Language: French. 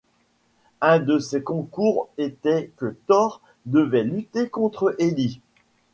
Un de ses concours étaient que Thor devait lutter contre Elli.